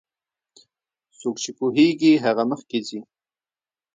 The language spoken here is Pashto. څوک چې پوهیږي هغه مخکې ځي.